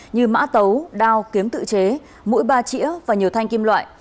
như mã tấu đao kiếm tự chế mũi ba chĩa và nhiều thanh kim loại